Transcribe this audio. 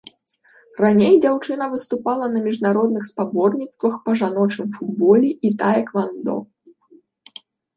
Раней дзяўчына выступала на міжнародных спаборніцтвах па жаночым футболе і таэквандо.